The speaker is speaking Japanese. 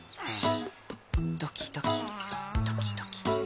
ドキドキドキドキ。